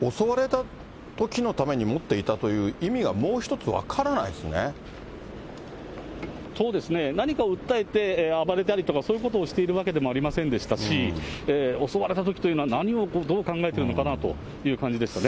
襲われたときのために持っていたという意味がもう一つ分からそうですね、何かを訴えて暴れたりとか、そういうことをしているわけでもありませんでしたし、襲われたときというのは、何をどう考えているのかなという感じでしたね。